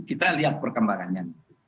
kita lihat perkembangannya